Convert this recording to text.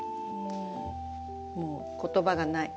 もう言葉がない。